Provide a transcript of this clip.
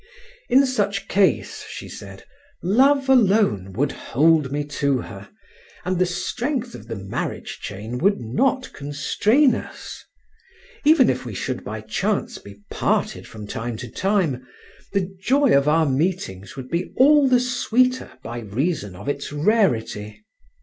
In such case, she said, love alone would hold me to her, and the strength of the marriage chain would not constrain us. Even if we should by chance be parted from time to time, the joy of our meetings would be all the sweeter by reason of its rarity.